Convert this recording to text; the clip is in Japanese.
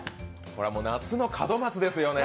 これは夏の門松ですよね！